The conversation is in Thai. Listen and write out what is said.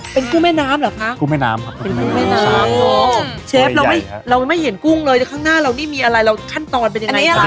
เป็นกุ้งแม่น้ำเหรอคะเป็นกุ้งแม่น้ำครับเชฟเราไม่เห็นกุ้งเลยข้างหน้าเรานี่มีอะไรขั้นตอนเป็นยังไง